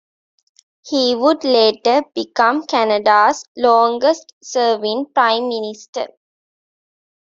He would later become Canada's longest serving Prime Minister.